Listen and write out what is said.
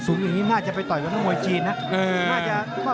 อย่างนี้น่าจะไปต่อยกับนักมวยจีนนะ